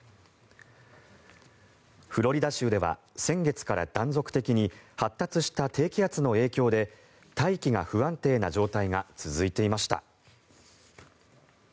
フロリダ州では先月から断続的に発達した低気圧の影響で大気が不安定な状態が続いていました。